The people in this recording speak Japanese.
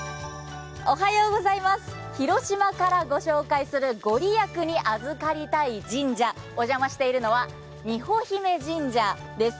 広島からご紹介する御利益にあずかりたい神社、お邪魔しているのは邇保姫神社です。